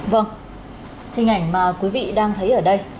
vâng hình ảnh mà quý vị đang thấy ở đây